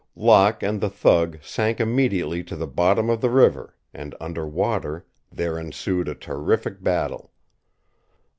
Locke and the thug sank immediately to the bottom of the river and, under water, there ensued a terrific battle.